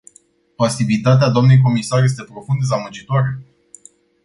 Pasivitatea dnei comisar este profund dezamăgitoare.